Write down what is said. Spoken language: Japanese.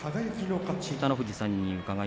北の富士さん